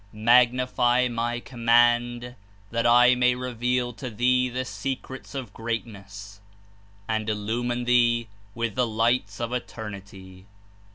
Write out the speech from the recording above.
Magnify my Command, that I may reveal to thee the secrets of Greatness and il lumine thee with the Lights of Eternity."